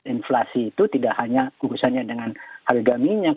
inflasi itu tidak hanya urusannya dengan harga minyak